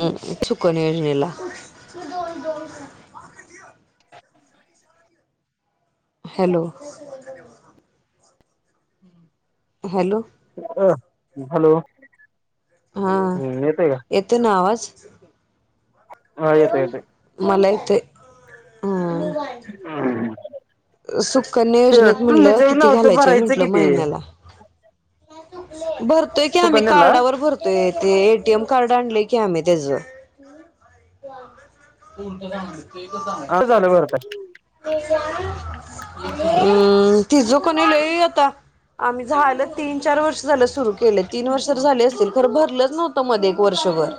हम्. सुकूल योजनेला. ती दोन- दोन कराय [inaudible] हॅलो. [unintelligible] हॅलो. हं. हॅलो. हा. हम्म येतोय का येत ना आवाज? हा, येत येतय. मला येतोय हा हं. सुकन्या योजनेत म्हणलं, किती नव्हतं घालायचंय भरायचं कि म्हंटलं ते महिन्याला. भरतोय की आम्ही. सुकन्याला कार्डावर भर ते. ते ए टी एम कार्ड आणलय की, आम्ही तेज. [inaudible] कोणतं जाणारयत? ते तर सांगा. हा झालं बर काय. [inaudible] हम्. तिज कणी लय आता आम्ही झालं, तीन- चार वर्ष झालं, सुरू क केले. तीन वर्ष तर झाले असतील. खर भरलंच नव्हतं, मध्ये एक वर्षभर.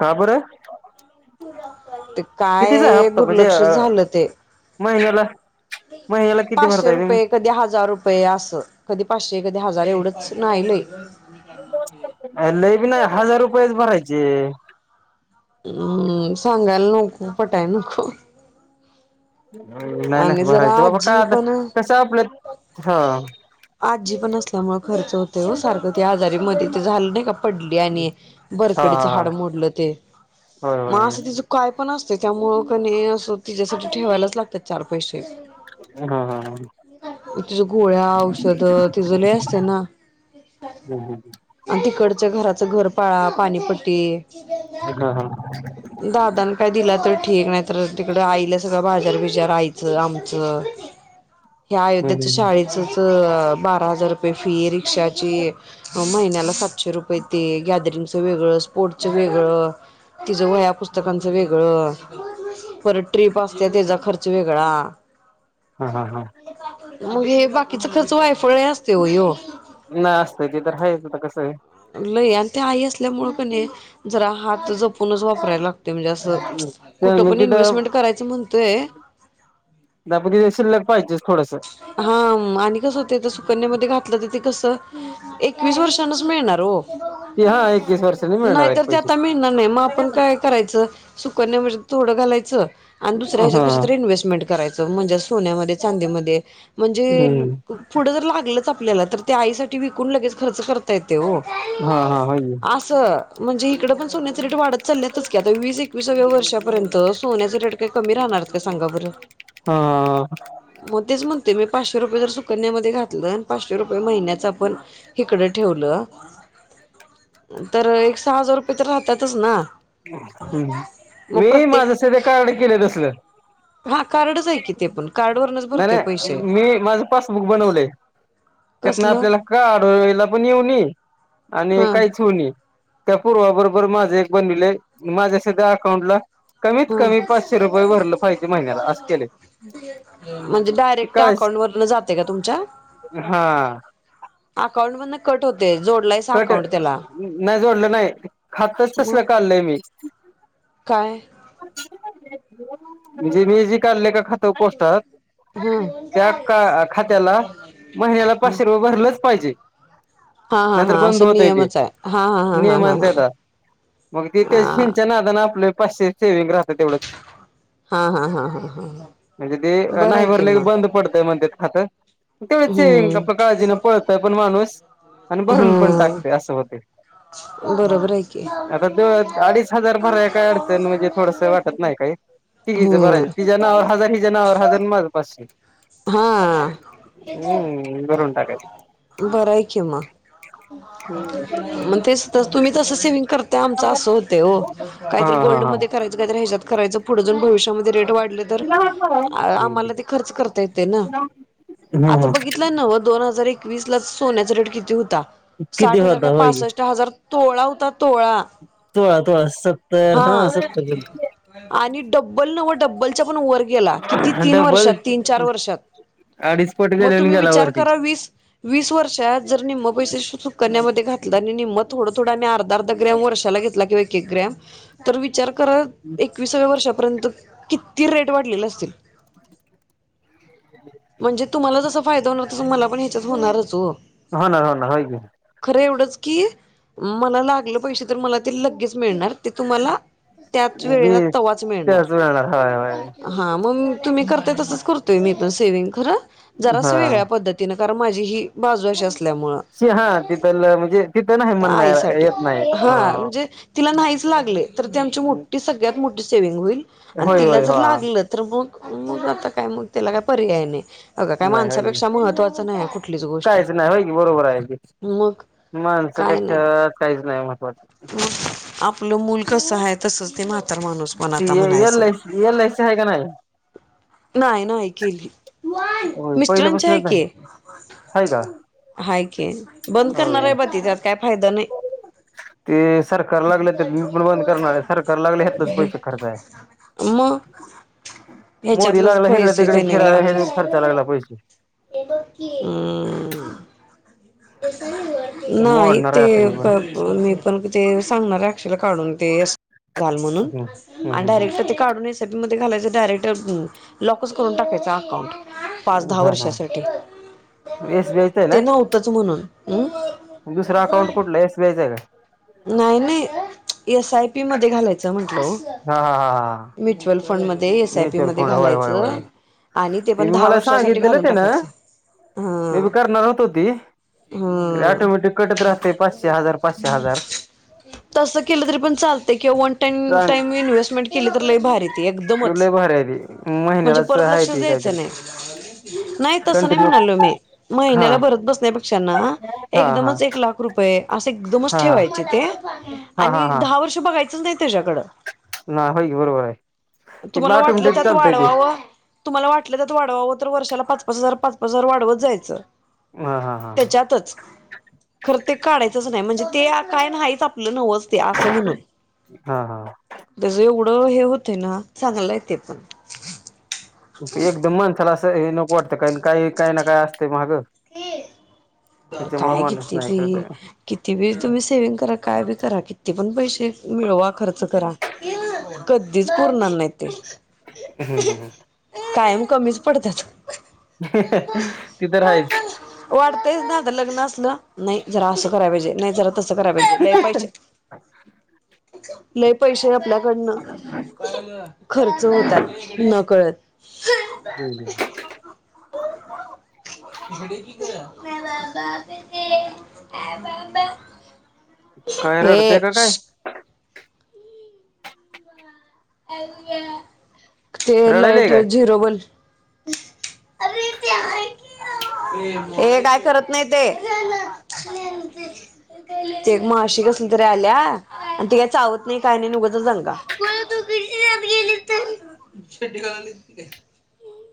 का बरं? [unintelligible] कितीचा काय हप्ता म्हणजे दुर्लक्ष अ झालं ते, महिन्याला महिन्याला किती पाचशे भरताय रुपये कधी हजार रुपये अस, कधी पाचशे कधी हजार एवढंच नाही लई लई बी नाही हजार रुपयच भरायचे. हम्म सांगायला नको पटाय नको नाही आणि नाही जरा भरायच बाबा, आजी काय आता पण कसे आपल्यात हं आजी पण असल्यामुळ खर्च होतोय वो सारखं त्या आजारी मध्ये ते झालं नाही का पडली आणि हा बरकडीच हा हाड मोडलं ते, होय म होय अस तीच काय पण असतयं त्यामुंळ कणी असं तिच्यासाठी ठेवायलाच लागतात चार पैशे. होय हा हा हा तिच घोळ्या, औषध तिज लई असतयं ना हम् हम आणि तिकडच्या घराच घरपाळा, पाणीपट्टी हा दादान काय दिला तर ठीक, नाही तर तिकडं आईला सगळं बाजार बी रायचं, आमचं हे अयोध्येचं शाळेच तर बारा हजार रुपये फी रिक्षाची महिन्याला सातशे रुपये ते, गॅदरिंगचं वेगळं स्पोर्टचं वेगळं तिज वह्या पुस्तकांचं वेगळं, परत ट्रीप असतीया त्येजा ख चं वेगळा हा हा हा मग हे बाकीचं खर्च वायफळे असततोय वो ह्यो नाही असतंय ते तर हायच होता कसंय लई आणि त्या आई असल्यामुळं कणी, जरा हात जपूनच वापरायला लाग ते म्हणजे असं, आहे ते कुठं मग पण इन्व्हेस्टमेंट तिथं करायचं म्हणतोय [unintelligible] शिल्लक पाहिजे थोडसं हा आणि कसं होतंय ते सुकन्यामध्ये घातलं तर तेे कसं एकवीस वर्षानच मिळणार वो ती हा एकवीस वर्षांनी मिळणार आहेत नाहीतर ते पैसे आता मिळणार नाही, मग आपण काय करायचं सुकन्या म्हजे थोडं घालायचं आणि दुसऱ्या हेज्यात हा कशात तरी इन्हेस्टमेंट करायचं म्हणजे सोन्यामध्ये, चांदीमध्ये म्हणजे हम्म पुढं जर लागलच आपल्याला तर ते आईसाठी विकून लगेच खर्च करता येतयं वो हा हा हाय यो असं म्हणजे इकड पण सोन्याच रेट वाढत चाल्यातच की आता वीस एकविसाव्या वर्षापर्यंत सोन्याचं रेट ते कमी राहणार आहेत काय सांगा बरं हां म तेच म्हणतोय मी, पाचशे रुपये जर सुकन्यामध्ये घातलं पाचशे रुपये महिन्याच आपण इकडं ठेवलं, तर एक सहा हजार रुपये तर राहतातच ना. हम्म मग मी माझ प्रत्येक सध्या कार्ड केलयं तसलं हा कार्डच हाय की ते पण कार्ड वरनच नाय, भरतोय नाय पैसे मी माझ पासबुक बनवलंय त्यातनं कसलं आपल्याला काढायला पण येऊनी आणि हा कायच होऊनी त्या पूर्वा बरोबर माझं एक बनिवलंय, माझ्या सध्या अकाउंटला कमीत कमी हा, पाचशे रुपये भरलं पाहिजे महिन्याला असं केलंय म्हणजे डायरेक्ट अकाउंटवरण जातय का तुमच्या? हां अकाउंट मधन कट होतंय, जोडलायसा कट अकाउंट त्येला नाही जोडल नाही खातच तसल कालय मी काय म्हणजे मी जे काडलय काय खात पोस्टात हा त्या खात्याला महिन्याला पाचशे रुपये भरलंच पाहिजे हा हा नाहीतर हा बंद असं होतय ते नियमच आहे हा हा हा नियम हाय हा ना हा हा हा त्याचा च्या नादं आपले पाचशे सेविंग राहतात तेवढंच हा हा हा हा हा म्हणजे ते बरं आहे नाही कि भरले की मग बंद पडतय म्हणतात खात तेवढाच हे हम्म आपल काळजीने पळतोय पण माणूस आणि भरून पण हम्म टाकतोय अस होतय बरोबर आहे की. आता अडीच हजार भराय काय अडचण म्हणजे थोडस वाटत नाही काही तिघीच हम्म. बरायच तिझ नावाव हजार हिज्या नावाव हजार अन माझ पाचशे हा. हू बरून टाकायची बर आहे कि म टाकायचं मग ते च तुम्ही तस सेविंग ते आमं असं होतेय ओ हा काहीतरी हा हा गोल्डमध्ये करायचं काहीतरी ह्याच्यात करायचं पुढे जाऊन भविष्यामध्ये रेट वाढतर तर हम्म. आम्हाला ते खर्च करता होना हा आता हा बघितला नव दोन हजार एकवीस ला सोन्याचा रेट किती होता किती साठ हजार होता का होय पासष्ट हजार तोळा होता तोळा तोळा तोळा सत्तर हा सत्तर सतर आणि डब्बल नव्ह डब्बलच्या पण वर गेला किती तीन वर्षात तीन चार वर्षात अडीचपट मग गेल्यान तुम्ही गेला विचार वरती करा वीस वीस वर्षांत जर निम्म पैसे सुकन्या मध्ये घातल आणि निम्म थोड थोड आम्ही- अर्ध अर्ध ग्रम वर्षाला घेतला किंवा एक एक ग्रम विचार करा एक दा विसाव्या वर्षापर्यंत किती रेट वाढलेले असतील म्हणजे तुम्हाला जस फायदा होणार तस मला पण ह्याच्यात होणारच ओ ह ना ह ना हाय की खर एवढंच की मला लागल पैसे तर मला ते लगेच मिळणार ते तुम्हाला त्याच वेळेला मी तवाच मिळणार त्याच वेळेला होय होय हा मग तुम्ही करताय तसच करतोय मी सेविग रं जरास हा. वेगळ्या पद्धतीनं तिनं कारण माझी ही बाजू अशी असल्यामुळ शि हा तिथंल म्हणजे तिथं नाही म्हणाय आईसाठी येत नाही हा म्हणजे तिला नाहीच लागले तर ती आमची मोठी सगळ्यात मोठी सेविंग होईल आणि होय तिला होय जर हा लागल तर मग मग आता काय मग त्याला काय पर्याय नाही अगं काय नाही होय माणसापेक्षा महत्त्वाच नाही कुठलीच गोष्ट काहीच नाही होय की बरोबर आहे की. मग काय नाही. माणसापेक्षा काहीच नाही महत्त्वाचं आपल मूल कस आहे तसंच ते म्हातार माणूस पण आता म्हणायच रिएल लाईफ आहे का नाही नाही नाही केली हो पहिल्या मिस्टरांची आहे पासानच नाही की केली आहे का हाय की क बंद करणार होय. आहे ब तिच्यात काय फायदा नाही ते सरकार लागले मी पण बंद करणार आहे सरकार लागलंतच पैसे खचाया आहे मग मोदी ह्याच्यातलंच लागला हिकडे पैसे तिकडे फिरायला खर्चा लागला पैसे ये बोल की नाही मोडणार ते आहे आता मी पण मी पण ते सांगणार अक्षाला काढून ते घाल म्हणून हम्म. हम्म आणि हम्म डायरेक्ट ते काढून एस आय बीमध्ये घालायच डायरेक्ट लॉकच करून टाकायचा अकाउंट पाच दहा हम्म हा वर्षासाठी, हा एसबीआयचं ते नव्हतच म्हणून हम्म. दुसरं अकाउंट कुठलय एस बी आय च आहे का? नाही नाही एस आय पी मध्ये घालायचं म्हंटल. ओ. का हा हा हा हा म्युचुअल फंडमध्ये दे एस आय पी म्युच्युअल मध्ये फंड होय होय होय घालायचं आणि ते पण मी दहा मला वर्षासाठी सांगितलेलं घालून ते ना टाकायचं. मी बी हा करणार होतो ती. तरी हा ऑटोमॅटिक कटत राहते पाचशे हजार पाचशे हजार तसं केलं तरी पण चालतय किंवा वन टाइम चांग टाइम इन्व्हेस्टमेंट केली तर लय भारी ते एकदमच लय भारी आहे ती म्हणजे महिन्यालाच परत आहे लक्षच ती द्यायचं काहीतरी नाही. नाही तस नाही कंटिन्यू म्हणालो मी, हा महिन्याला भरत बसण्यापेक्षा ना हा हा हा एकदमच एक लाख रुपये असं एकदमच हा ठेवायचे ते हा हा आणि एक हा दहा वर्ष बघायचंच नाही त्याच्याकडं ना होय की बरोबर आहे ते तुम्हाला वाटलं ऑटोमॅटिक त्यात चालतंय ते वाढवावं तुम्हाला वाटलं त्यात वाढवावं तर वर्षाला पाच पाच हजार पाच पाच हजार वा ढवत जायचं. हा हा हा हा त्याच्यातच खर ते काढायचंच नाही म्हणजे ते आ काय नाहीच आपलं नव्हच ते असं म्हणून हा हा त्याच एवढं हे होतंय ना चांगला आहे ते पण एकदम माणसाला असं हे नको वाटतं कारण काय काही काही ना काय असते मागं हे, त्याच्यामुळे काय [inaudible] माणूस नाही करत किती बी तुम्ही सेविंग करा काय बी करा किती पण पैसे मिळवा खर्च करा कधीच पुरणार नाही ते. हम्म हम्म हम्म. कायम कमीच पडतात. ती तर हायच. वाटतय ना आता लग्न असलं नाही जरा असं कराय पाहिजे नाही ज या करा पाहिजे लय पैसे, लय पैसे आहेत आपल्या पण खर्च होतात न कळत. हम्म. [unintelligible] काय रडतेय ए का काय ते रडायलय लाइट काय झिरोबल्ब अरे ते आहे ए काय करत नाही ते ते एक माशी कसली तरी आल्या आणि ती काय चावत नाही काय नाही आणि उगाचच दंगा [inaudible]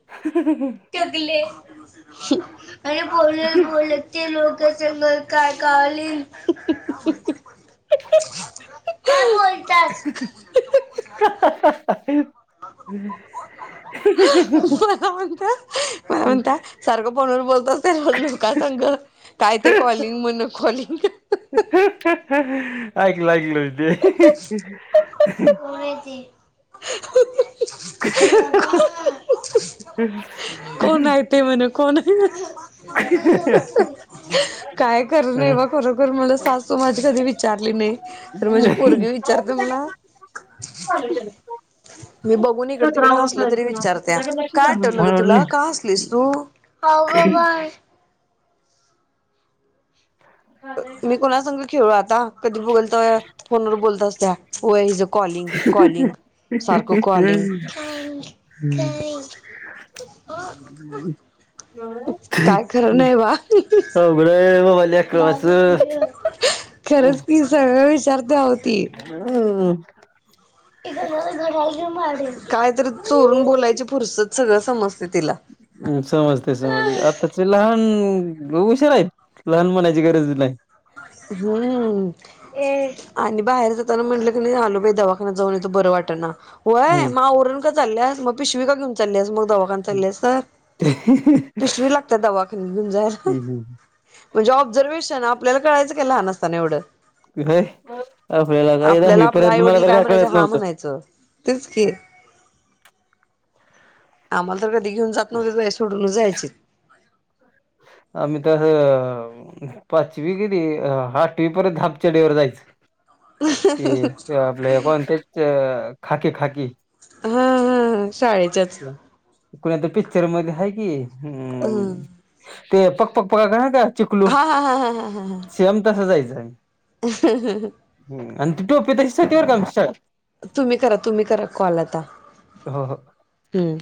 ह ते गले आणि बोलत बोलत ते लोक कसे मग काय [inaudible] ह काय हा बोलतास ह [unintelligible] मला म्हणता मला हम म्हणता सारखं फोनवर बोलतच ते लो का सांग काय ते कॉलिंग म्हण कॉलिंग ऐकलं ऐकल हो ते पुणेची [inaudible] [inaudible] तेे म्ह कोण आहे. काय खरं नाही बा खरोखर मला सासू माझी कधी विचारली नाही. तर म्हणजे पोरगी विचारते मला मी बघून इकड तिकड हसल तरी विचारत्या काय आठवलं ग तुला का हसलीस तू हो ग बाय मी कोणा संग खेळू आता कधी बोलतोय. फोनवर बोलत असत्या वय इज अ कॉलिंग कॉलिंग सारखं कॉलिंग हम् हम् [inaudible] काय खरं नाही बा अवघड आहे बाबा [inaudible] बा खरंच ती सगळं विचारते आहो ती हम कायतरी चोरून बोलायची फुरसत सगळं समजतं तिला हम समजते समजते आताचे लहान हुशार आहे लहान म्हणायची गरज नाही. हंम्म आणि बाहेर जाताना म्हंटलं की नाही आलो बाई दवाखाना जाऊन येतो बरं वाटत ना? होय हं मा आवरूण का चालल्यास मग पिशवीका घेवून चालल्यास मग दवा दकान चालल्यास तर हं पिशवी लागत्या दवाखान्यात घेऊन जायला. हं म्हणजे ऑब्झर्वेशन आपल्याला कळायचं काय लहान असताना एवढं व्हय काय आपल्याला दहावी आपलं पर्यंत मला आईवडील तर काय म्हणायचं कळत हा नव्हतं. म्हणायचं तेच की आम्हाला तर कधी घेऊन जात नव्हते दरवेळेस सोडूनच जायचे. आम्ही तर हं हं पाचवी किधी आठवी परत हाप चडीवर जायचं ते आपले कोण त्या तेच खाकी खाकी हं हं हं शाळेच्याच कुण्या तरी पिक्चर मध्ये हाय कि हम्म ते पक पक पकाक नाही का चिखलू हा हा हा हा शेम तसा जायचा मी हं हं हं आणि ती टोपी तशीचं होती बर का आमच्या शाळेत तुम्ही करा तुम्ही करा कॉल आता हो हो. हम्म